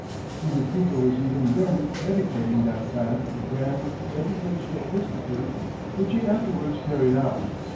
Peter Cooper was even then meditating that plan of a grand educational institute which he afterwards carried out.